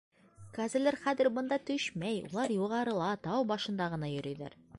Кәзәләр хәҙер бында төшмәй, улар юғарыла, тау башында ғына йөрөйҙәр.